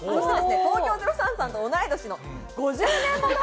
東京０３さんと同い年の、５０年もの。